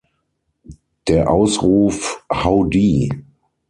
Der Ausruf „How-deeee!